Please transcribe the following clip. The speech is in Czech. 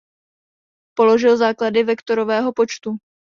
Položil základy vektorového počtu.